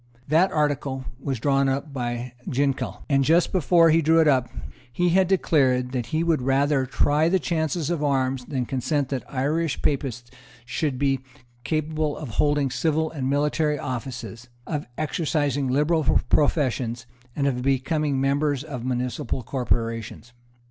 That article was drawn up by Ginkell; and, just before he drew it up, he had declared that he would rather try the chance of arms than consent that Irish Papists should be capable of holding civil and military offices, of exercising liberal professions, and of becoming members of municipal corporations.